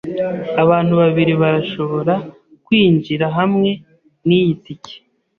Abantu babiri barashobora kwinjira hamwe niyi tike.